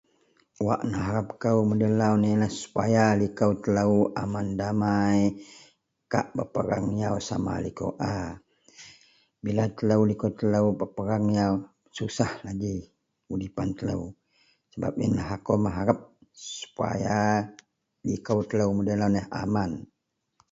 Wak na harep kou mudei neh supaya liko telo aman damai kak pepereang yaw sama liko a bila telo liko telo pepereang yaw susah ki udipan telo sebab iyen akou mengharep supaya liko telo mudei lau neh aman.